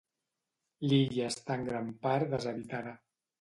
L'illa està en gran part deshabitada.